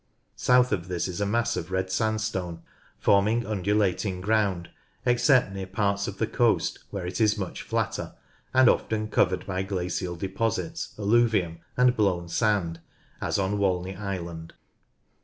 South of this is a mass of Red Sandstone forming undulating ground except near parts of the coast, where it is much flatter, and often covered by glacial deposits, alluvium, and blown sand, as on Walney Island.